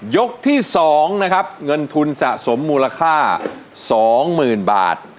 ยกที่๒นะครับเงินทุนสะสมมูลค่า๒๐๐๐บาท